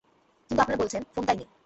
কিন্তু আপনারা বলছেন ফোনটাই নেই।